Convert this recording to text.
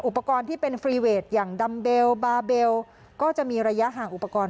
อุปกรณ์ที่เป็นฟรีเวทอย่างดัมเบลบาเบลก็จะมีระยะห่างอุปกรณ์